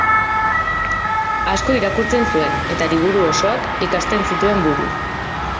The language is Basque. Asko irakurtzen zuen eta liburu osoak ikasten zituen buruz.